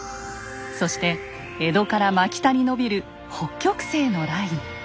そして江戸から真北に延びる北極星のライン。